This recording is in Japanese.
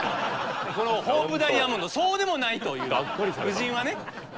このホープダイヤモンドそうでもないという夫人はね。